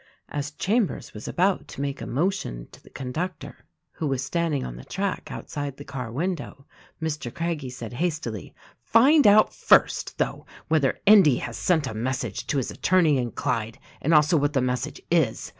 As Chambers was about to make a motion to the con ductor (who was standing on the track outside the car win dow), Mr. Craggie said hastily, "Find out, first, though, whether Endy has sent a message to 'his attorney in Clyde, and also what the message is.